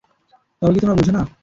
তবে কি তোমরা বুঝ না?